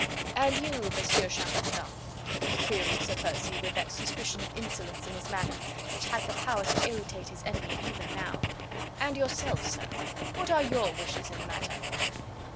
"And you, Monsieur Chambertin?" queried Sir Percy with that suspicion of insolence in his manner which had the power to irritate his enemy even now. "And yourself, sir; what are your wishes in the matter?"